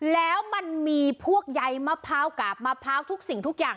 แล้วมันมีพวกใยมะพร้าวกาบมะพร้าวทุกสิ่งทุกอย่าง